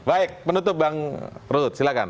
baik penutup bang ruhut silahkan